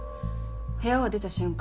部屋を出た瞬間